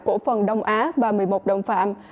cổ phần đông á và một mươi một đồng phạm